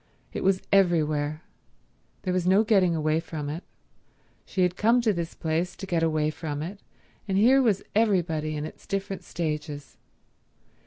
It was everywhere. There was no getting away from it. She had come to this place to get away from it, and here was everybody in its different stages.